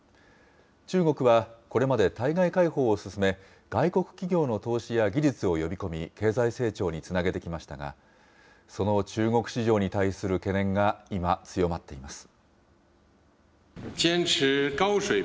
中国は、これまで対外開放を進め、外国企業の投資や技術を呼び込み、経済成長につなげてきましたが、その中国市場に対する懸念が今、強まっています。